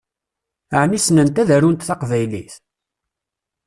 Ɛni ssnent ad arunt taqbaylit?